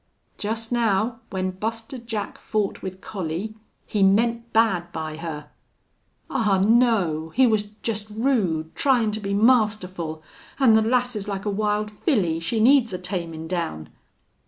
"Just now, when Buster Jack fought with Collie, he meant bad by her!" "Aw, no!... He was jest rude tryin' to be masterful.... An' the lass's like a wild filly. She needs a tamin' down."